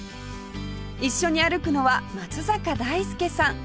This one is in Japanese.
一緒に歩くのは松坂大輔さん